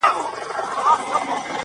• د کابل تصوېر مي ورکی په تحفه کي ,